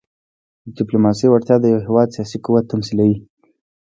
د ډيپلوماسۍ وړتیا د یو هېواد سیاسي قوت تمثیلوي.